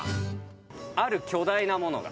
ある巨大なものが。